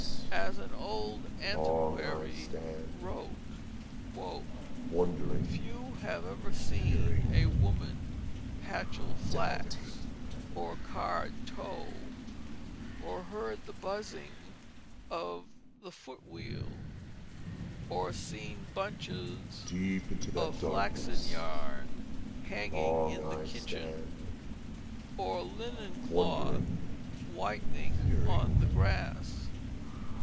As an old antiquary wrote: "Few have ever seen a woman hatchel flax or card tow, or heard the buzzing of the foot wheel, or seen bunches of flaxen yarn hanging in the kitchen, or linen cloth whitening on the grass.